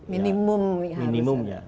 minimum minimum ya